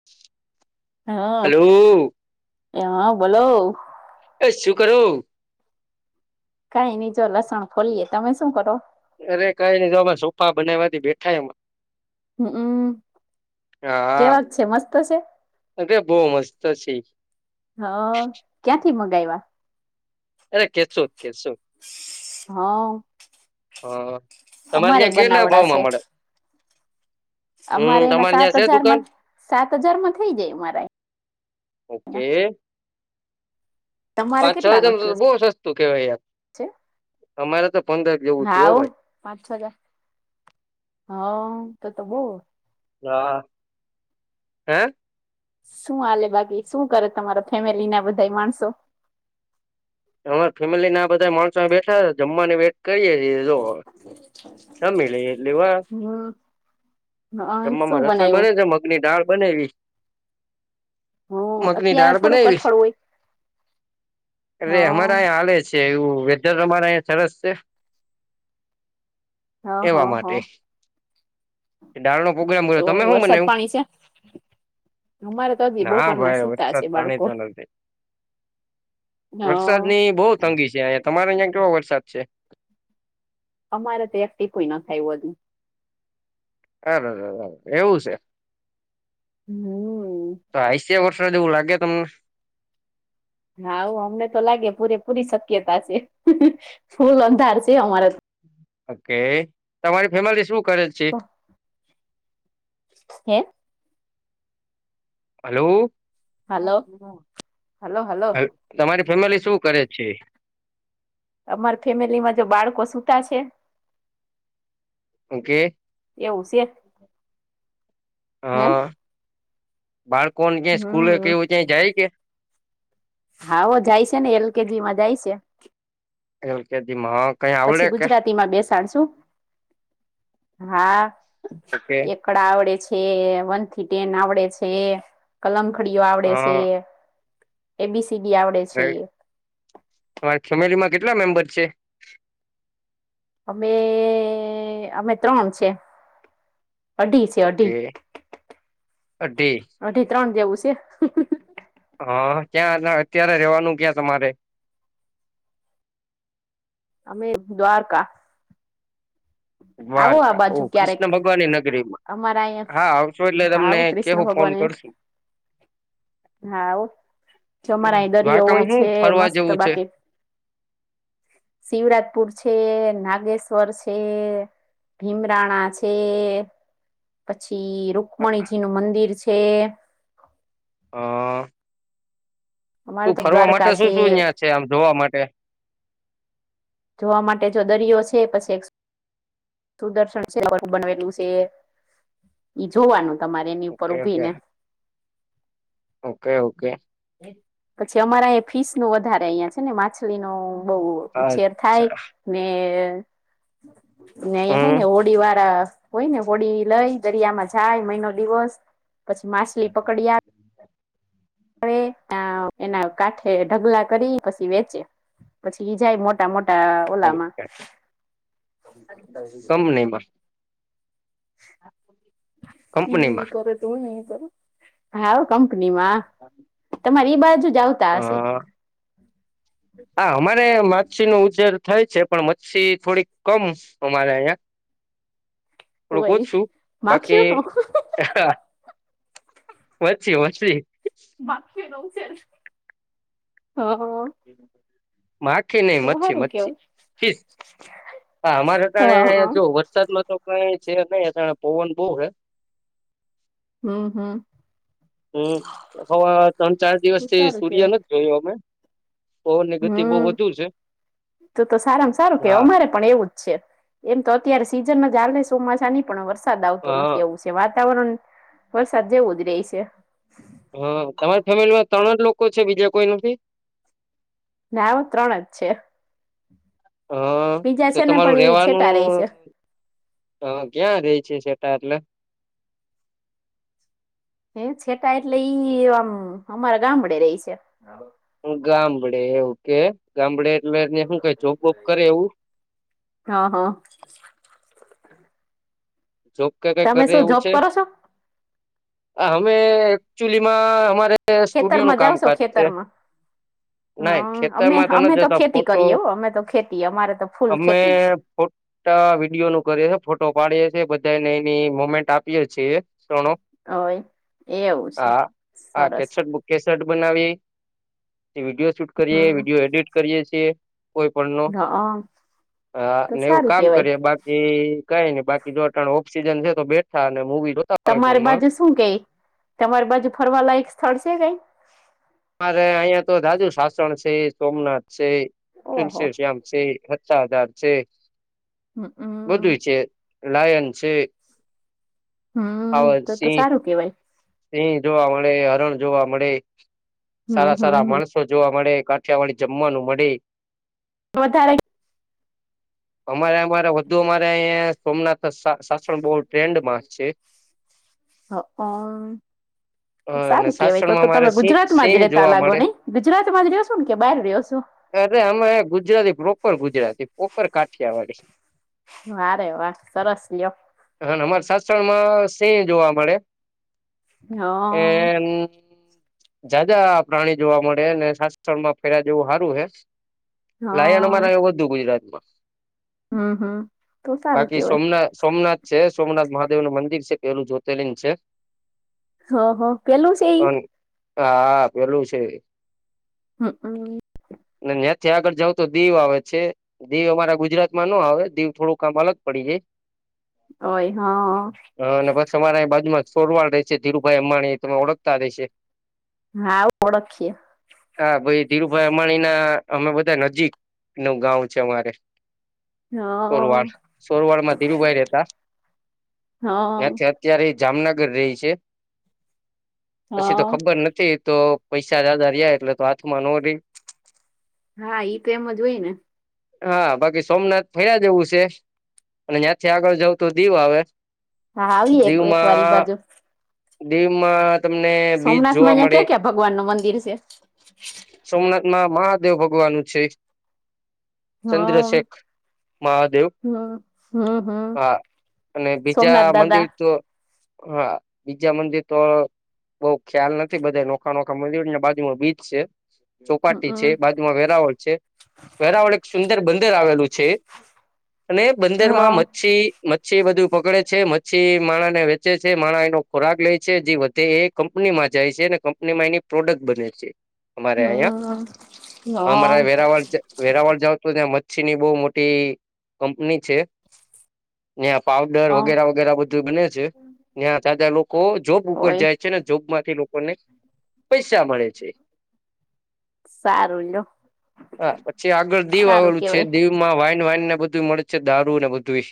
[inaudible] હા હલો એ હ બોલો એ શું કરો? કંઈ ની જો લસણ ફોલીયે તમે શું કરો અરે કઈ નહી તો અમે સોફા બનાયવા તી બેઠા એમાં હમ્મ હા હા છે અરે બવ મસ્ત છે. હ ક્યાંથી મગાયવા અરે કેસોદ કેસો હા હા તમારે અમારે ત્યાં કેટલા બનાવડા ભાવમાં છે. મળે હમ અમારે એના તમારે ત્યાં સાત છે હજાર દુકાન માં સાત હજારમાં થઇ જાય અમારે ઓકે તમારે પાંચ છ કેટલા નો હજાર થયો બવ સસ્તું કેવાય યાર છે અમારે તો પંદર જેવું થીયુ હાવ હો ભાઈ પાંચ છકા હ તો તો બો હા હે શું હાલે બાકી શું કરે તમારા ફેમિલી ના બધા માણસો અમારા ફેમિલી ના બધા માણસો બેઠા છે જમવાની વેટ કરીએ છીએ જોવો જમી લઈએ એટલી વાર હમ હ જમવામાં શું રસોઈ બનાવ્યું બને છે મગની દાળ બનાયવી હમ મગની અત્યારે દાળ થોડું બનાયવી કઠોળ હોય હ અરે અમારા અહીંયા હાલે છે એવું વેધર અમારા અયા સરસ છે હવ એવા હવ હવ માટે દાળનો પ્રોગ્રામ કર્યો તો તમે એ શું વરસાદ બનાવ્યું પાણી છે અમારે તો હજી ના બોપરના ભાઈ સુતા છે વરસાદ પાણી બાળકો તો હ વરસાદ ની બહુ તંગી છે અયા તમારે અયા કેવો વરસાદ છે અમારે તો એકી કોઈ ના થાયું હતું અર એવું છે હમ તો આયેશ વર્ષો જેવું લાગે તમને હા આવું અમને તો લાગે પૂરે પૂરી શક્યતા છે ફૂલ અંધાર છે અમારા ઓકે તમારી ફેમિલી શું કરે છે હે હલો હલો હલો હલો તમારી ફેમિલી શું કરે છે અમાર ફેમિલીમાં જો બાળકો સુૂતા છે ઓકે એવું છે હે હા બાળકોને જે્યા સ્કૂલે હમ કેવું ત્યા જાય કે હાો જાય છે ને એલ કેજી માં જાય છે હલ કે દિમાખ પછી ગુજરાતી માં બેસાડશું હા ઓકે એક આકડા આવડે છે વન થી ટેન આવડે છે કલમ ખડીઓ આવડે છે હા એબીસીડી આવડે છે તમારી ફેમિલી માં કેટલા મેમ્બર છે અમે અમે ત્રણ છે અઢી છે અઢી ઓકે અઢી અઢી ત્રણ જેવું છે હા ક્યાં અત્યારે રહેવાનું ક્યાં તમારે અમે દ્વારકા આવો આ દ્વારકા ઓ બાજુ ક્યારેક કૃષ્ણ ભગવાનની નગરીમાં અમારા હા અહીંયા આવશો એટલે તમને કેવું ફોન કરશું [inaudible] હામારા દરિયો દ્વારકામાં હોય હું છે ફરવા મસ્ત જેવું છે બાકી શિવરાજપુર છે નાગેશ્વર છે ભીમરાણા છે પછી રુકમણીજી નું મંદિર છે અ અમારે તું તો ફરવા દ્વારકા માટે છે શું શું અહિયાં છે આમ જોવા માટે જોવા માટે જો દરિયો છે પછી સુદર્શન છે બનવેલું છે ઈ જોવાનું તમારે એની ઉપર ઓકે ઉભી ઓકે ને ઓકે ઓકે પછી અમારા એ ફીસ નું વધારે અહિયાં છે ને માછલી નો બહુ ઉછેર થાય અચ્છા ને હમ ને હોડી વારા હોય ને હોડી લઈ દરિયામાં જાય મહિનો દિવસ પછી માછલી પકડ્યા વે એના કાંઠે ઢગલા કરી પછી વેચે. પછી ઈ જાય મોટા મોટા ઓલામાં ઓકે હું નહીં માં કંપનીમાં ટીવી કર તું નહી કર હા કંપનીમાં તમારી એઈ બાજુ જ આવ હા [inaudible] હા અમારે માછી નો ઉછેર થાય છે પણ મચ્છી થોડીક કમ અમારે અયા હોય બાકી માખીયન [unintelligible] [unintelligible] ઉછેર હ માખી નહી, તો મચ્છી હારું મચછી ફીસ હા, અમારે કેવાય અટાણે હ જો વરસાદમાં તો કઈ છે નહી અટાણે પવન બહુ હે. હા, હા. હમ. હવે, ત્રણ ચાર દિવસથી સારું સૂર્ય કેવાય નથી જોયો અમે. પવન ની ગતિ બહુ હમ. વધુ છે તું તો સારામાં સારું કે હા અમારે પણ એવું જ છે એમ તો અત્યારે સીઝનમાં ચાલેને ચોમાસાની પણ વરસાદ આવતો હા નથી એવું છે. વાતાવરણ વરસાદ જેવું જ રેય છે.. હા, તમારી ફેમિલીમાં ત્રણ જ લોકો છે? બીજા કોઈ નથી. ના, ત્રણ જ છે. હ, બીજા તો છે ને પણ તમારું ઈ છેટા રેવાનું રે છે. હ, કયાં રેઈ છે. છેટા એટલે એમ છેટા એટલે ઈ આમ અમારા ગામડે રહે છે. હ ગામડે ઓકે ગામડે એટલેને શું કઈ જોબ વોબ કરે એવું? હા હા. જોબ કઈ, કઈ તમે કરે શું એવું જોબ છે? કરો છો? અમે એકચુલીમાં અમારે સ્ટુડિયોનું ખેતરમાં જાવ છો કામકાજ છે. ખેતરમાં? નાય, હા અમે ખેતરમાં તો અમે નથી જતો. ખેતી ફોટો કરીએ હો અમે તો ખેતી અમારે તો ફૂલ અમે ખેતી જ ફોટા વિડીયોનું કરીએ, ફોટો પાડીએ છીએ. બધાને એની મોમેન્ટ આપીએ છીએ. સોનું? હોય એવું છે હા હા. સરસ કેસેટ બુક કેશેટ બનાવી, વિડીયો શૂટ કરીએ, હમ વિડીયો એડિટ કરીએ છીએ. કોઈ પણ નો, હ તો ને એવું સારું કામ કેવાય કરીએ. બાકી એ કઈ નહી, બાકી જોત ઓફ સીઝન છે તો બેઠા અને મુવી જોતા હોય તમારી ફોનમાં બાજુ શું કઈ? તમારી બાજુ ફરવાલાયક સ્થળ છે કઈ? મારે અહિયાં તો જાજુ સાસણ છે, સોમનાથ છે. ઓહો તુલસી શ્યામ છે, હદાર છે. હમ હમ બધુંય છે, લાયન છે. હા, પાવર તો તો સિંહ સારું કેવાય. સિંહ જોવા મળે, હરણ જોવા મળે, હમ સારા સારા હમ હમ માણ સો જોવા મળે, કાઠિયાવાળી જમવાનું મળે. વધારે અમારે, અમારે વધુ, અમારે અહીંયા સોમનાથ શાસણ બો ટ્રેન્ડ મા છે. હ અમ અને સારું કેવાય તો, સાસણમાં તો મારે તમે સિંહ ગુજરાતમાં સિંહ જ રેહતા જોવા લાગો મળે નહી. ગુજરાતમાં જ રયો સો ને કે બહાર રયો છો? અરે, અમે ગુજરાતી પ્રોપર ગુજરાતી, પ્રોપર કાઠિયા વાળી. વારે વાહ. સરસ લિ્યો. હા, અમારે સાાસણમાં સિંહ જોવા મળે. હ એ જાજા પ્રાણી જોવા મળે, ને શસ્માં ફેર જેવું સારું હે. હ લાયન અમારા એવુ બધુ ગુજરાતમાં. હમ હમ તો સારું બાકી કેવાય સોમનાથ, સોમનાથ છે. સોમનાથ મહાદેવનું મંદિર છે, પેલું જ્યોતિર્લિંગ છે. હ હ, પેલું છે ઈ હા, પેલું છે. હમ હમ. ત્યાંથી આગળ જાવ તો દીવ આવે છે. દીવ અમારા ગુજરાતમાં ન આવે, દીવ થોડુંક કામ અલગ પડી જાય. ઓય હા. હા, અને બસ અમારે બાજુમાં સોરવાળ રહેે છે. ધીરુભાઈ અંબાણી તમે ઓળખતા રેશે? હા, ઓળખીએ. હા ભાઈ ધીરુભાઈ અંબાણી ના અમે બધા નજીક નું ગં છે અમારે હ સોરવાડ હ સોરવાડ માં ધીરુભાઈ રહેતા હા ત્યાંથી અત્યારે એ જામનગર રહી છે હ પછી તો ખબર નથી તો પૈસા દદ રહ્યા એટલે તો હાથમાં ન રહી હા ઈ તો એમ જ હોય ને હા બાકી સોમનાથ ફરયા જેવું છે અને ત્યાંથી આગળ જવ તો દીવ આવે હા આવીએ એક વાર દીવમાં બાજુ દીવમાં તમને બીજ સોમનાથમાં જોવા અહિયાં મળે ક્યાં ક્યાં ભગવાન નું મંદિર છે સોમનાથમાં મહાદેવ ભગવાન છે હમ ચંદ્રશેેખ મહાદેવ હમ હમ હમ હા અને બીજા સોમનાથ દાદા મંદિર તો હા બીજા મંદિર તો બઉ ખ્યાલ નથી બધા નોખા નોખા મળને બાજુમાં બીજ છે ચોપાટી છે હમ બાજુમાં વેરાવળ છે વેરાવળ એક સુંદર બંદર આવેલું છે અને બંદર માં હા મચ્છી મચ્છી બધું પકડે છે મચ્છી માણ ને વ ચ છે મા એનો ખોરાક લે છે જે વધે એ કંપનીમાં જાય છે અને કંપનીમાં એની પ્રોડક્ટ બને છે અમારે અહિયાં હમ હા અમારે વેરાવળ છે વેરાવળ જાવ તો ત્યાં મચ્છી ની બહુ મોટી કંપની છે ત્યાં પાવડર હા વગેરે વગેરે બધું બને છે ત્યાં તધા લોકો જોબ ઉપર હોય જાય છે જોબ માંથી લોકોને પૈસા મળે છે સારું લો હા પછી આગળ દીવ સારું આવેલું છે કેવાય દીવ માં વાઈન વાઈનને બધું મળે છે દારૂ ને બધું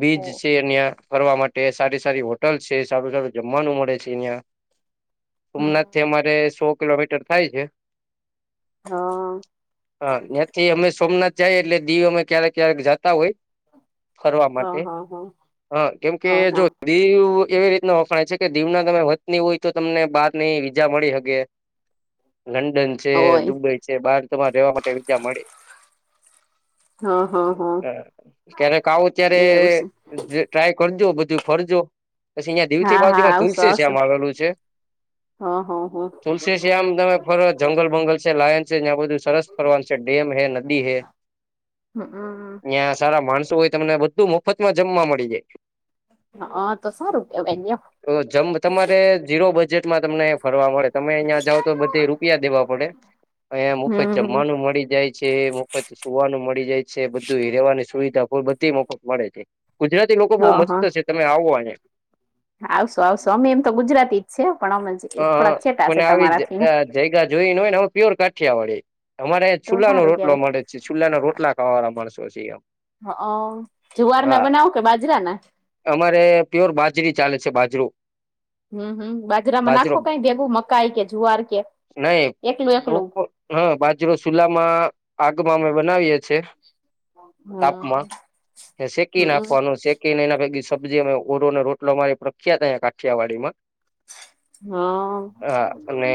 બીજ ઓ છે અહં કરવા માટે સારી સારી હોટલ છે સારું સારું જમવાનું મળે છે અહિયાં હમ સોમનાથ થી અમારે સો કિલોમીટર થાય છે હા હા ત્યાંથી અમે સોમનાથ જઈએ એટલે દીવ અમે ક્યારેક ક્યારેક જતા હોય ફરવા માટે હા હા હા હ કેમ કે હા જો હા દીવ એવી રીતના વફણાય છે કે દીવ ના તમે વતની હોય તો તમને બહારની વિજા મળી શકે હ લંડન છે દુબઈ છે બહાર તમારે રહેવા માટે વિજા મળે હા હા હા હ ક્યારે ખાવું ત્યારે એવું છે ટ્રાય કરજો બધું ફરજો પછી અહિયાયા દીવથી હા હા બાજુમાં આવશો તુલસી શ આવશો આમ આવેલું છે હા હા હા તુલસી છે આમ તમે ફરો જંગલ બંગલ છે લાયન છે ત્યાં બધું સરસ ફરવાનું છે ડેમ હૈ નદી હૈ હમ ત્યાં સારા માણસો હોય તમને બધું મફતમાં જમવા મળી જાય. હા તો સો રૂપિયા મલયા તો તો જમ તમારે જીરો બજેટમાં તમને ફરવા મળે તમે અહિયાં જઓ તો બધે રૂપિયા દેવા પડે અયા મુફત હમ જમવાનું મળી જાય ચૈ મફત સુવાનું મળી જાય છે બધું રવાની સુવિધા બધી મફત મળે છે. ગુજરાતી લોકો બહુ હા મસ્ત છે તમે આવો અનેને આવશો આવશો અમે એમ તો ગુજરાતી જ છે પણ અમે જ થોડાક હ છેટા છે મને આવી જ તમારાથી જયગા જોઈને હોય ને હવે પ્યોર કાઠિયા વાડીે અમારે તો છુલ્લા નો સારું રોટલો કેવાય મળે છુ ચુલ્લા ના રોટલા ખાવાના માણસો છેમ હ અ જુવાર ના બનાવો કે બાજરા ના અમારે પ્યોર બાજરી ચાલે છે બાજરો હમ હમ બાજરામાં બાજરો નાખો કઈ ભેગું મકાઈ કે જુવાર કે નહી એકલું એકલું હા બાજરો સુલામાં આગમાં અમે બનાવીએે છીએ. તાપમાં શેકી હમ નાખવાનું શ શેકીને એના પકી સબ્જી અમે ઓરોને રોટલો મારી પ્રખ્યાત અં કાઠિયાવાડીમાં હા. હા અને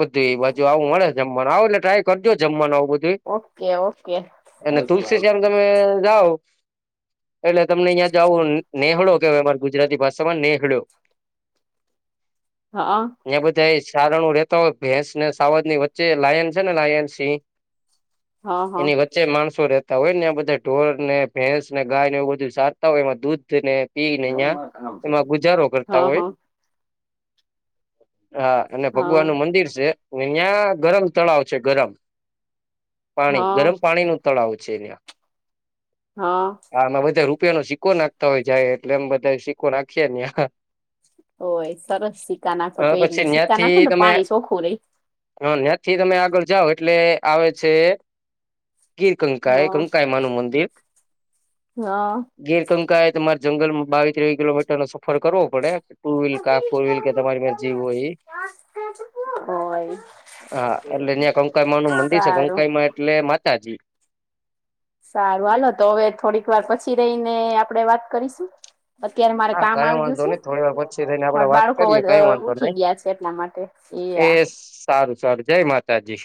બુધી એ બાજુ આવું મળે જમવાનું આવ એટલે ટ્રાય કરજો જમવાનું આવું બધું. ઓકે ઓકે અને તુલસી શ્યામ તમે જાવો એટલે તમને અહીં જાવુ નેહળો કેવાય અમા ગુજરાતી ભાષા માં નેહળ્યો હા. ને બધા સારણું રતો હો ભેંસ ને સાવદ ની વચ્ચે લાયન છે ને લાયન સિંહ [inaudible] હા એની વ વચ્ચે જે માણસો રહેતા હોય ને આ બધા ઢોર ને ભેંસ ને ગાય ને એવું બધું સાધતા હોય એમાં દૂધ ને પીને અહં એમાં ગુજારો કરતા હા હોય હા હા અને હા ભગવાન નું મંદિર છે. નીનીયાં ગરમ તળાવ છે ગરમ પાણી હા ગરમ પાણી નું તળાવ છે એં હા. આમાં બધા રૂપિયા નો સિકકો નાખતા હોય જાય એટલે એમ બધા સિકકો નાખીએ ને આ હોય સરસ સિકકા નાખો તો અ એટલે પછી સિક્કા નાખો ને તો પાણી ચોખું રહી. હ ત્યાંથી તમે આગળ જાઓ એટલે આવે છે. કીર કંકા એ કંકા એ માનું મંદિર હા. ગીરકંકા એ તમારે જંગલમાં બાવીસ ત્રેવીસ કિલોમીટરો સફર કરવો પડે ટુ વ્હીલ કા ફોર વ્હીલ ક તમારી પા જીવો હ હ ઓય હા એટલે ત્યાં કંકાઈમા નું મંદિર છે સારું કંકાઈમા એટલે માતાજી સારું હાલો તો હવે થોડીક વાર પછી રહીને આપડે વાત કરીશું. અત્યારે મારે હા કામ કઈ આવી વાંધો ગયું નઈ છે થોડી વાર પછી થઈને આપડે મારા વાત બાળકો કરીએ કઈ બધ વાંધો ઉઠી નઈ ગયા છે એટલા માટે એ સારું સારું જય માતાજી